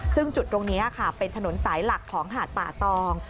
ซึ่งจุดตรงนี้ค่ะเป็นถนนสายหลักของหาดป่าตอง